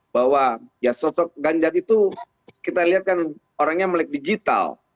bahwa sosok ganjar itu kita lihat kan orangnya melek digital